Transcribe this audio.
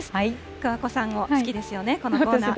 桑子さんも好きですよね、このコーナー。